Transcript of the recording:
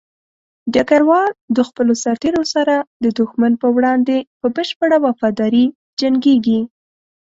ډګروال د خپلو سرتېرو سره د دښمن په وړاندې په بشپړه وفاداري جنګيږي.